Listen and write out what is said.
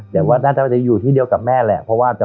นะแต่จะอยู่ที่เดียวกับแม่แหละเพราะว่าจะ